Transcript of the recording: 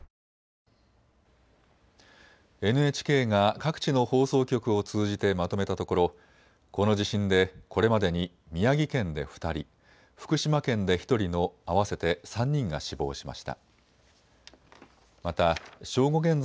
ＮＨＫが各地の放送局を通じてまとめたところ、この地震でこれまでに宮城県で２人、福島県で１人の合わせて３人が死亡しました。